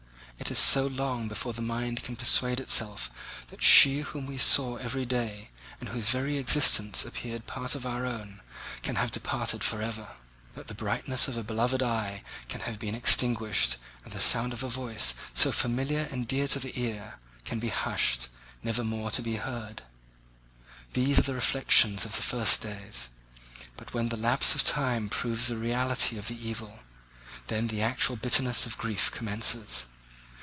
It is so long before the mind can persuade itself that she whom we saw every day and whose very existence appeared a part of our own can have departed for ever—that the brightness of a beloved eye can have been extinguished and the sound of a voice so familiar and dear to the ear can be hushed, never more to be heard. These are the reflections of the first days; but when the lapse of time proves the reality of the evil, then the actual bitterness of grief commences.